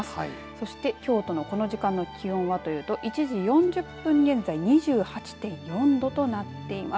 そして京都のこの時間の気温はというと７時４０分現在２８．４度となっています。